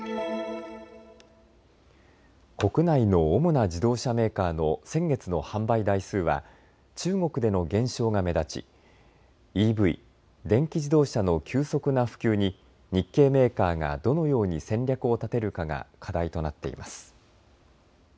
国内の主な自動車メーカーの先月の販売台数は中国での減少が目立ちＥＶ・電気自動車の急速な普及に日系メーカーがどのように戦略を立てるかが課題となっています。